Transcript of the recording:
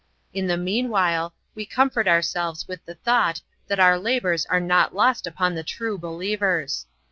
In the meanwhile we comfort ourselves with the thought that our labors are not lost upon the true believers.